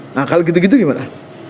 nah kalau gitu gitu gimana